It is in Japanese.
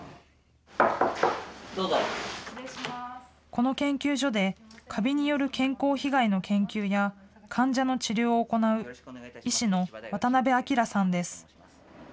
この研究所で、カビによる健康被害の研究や、患者の治療を行う医師の渡邉哲さんです。